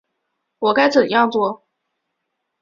我应该怎样做？